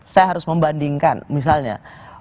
saya harus membandingkan misalnya